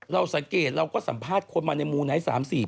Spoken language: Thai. เราสังเกตเราก็สัมภาษณ์คนมาในมูไนท์๓๔